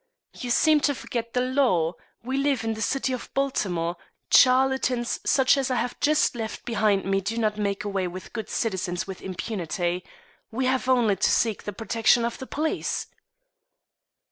"You seem to forget the law. We live in the city of Baltimore. Charlatans such as I have just left behind me do not make away with good citizens with impunity. We have only to seek the protection of the police."